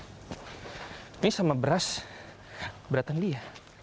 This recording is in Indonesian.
ini sama beras berat kan dia